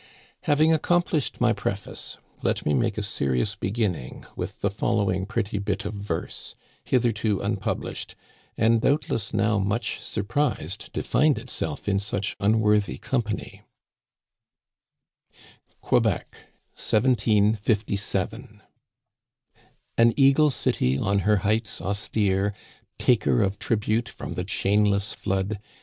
Having accomplished my preface, let me make a serious beginning with the following pretty bit of verse, hitherto unpublished, and doubtless now much surprised to find itself in such unworthy company : Digitized by VjOOQIC 12 THE CANADIANS OF OLD, QUEBEC, I7S7. An eagle city on her heights austere, Taker of tribute from the chainless flood.